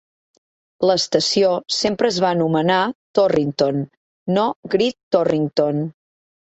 L'estació sempre es va anomenar "Torrington", no "Great Torrington".